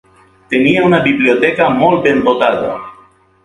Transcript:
Tenia una biblioteca molt ben dotada.